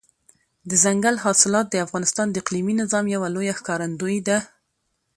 دځنګل حاصلات د افغانستان د اقلیمي نظام یوه لویه ښکارندوی ده.